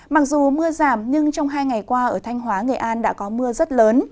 mặc dù mưa giảm nhưng trong hai ngày qua ở thanh hóa nghệ an đã có mưa rất lớn